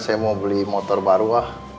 saya mau beli motor baru ah